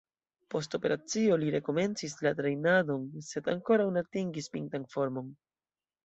Post operacio li rekomencis la trejnadon sed ankoraŭ ne atingis pintan formon.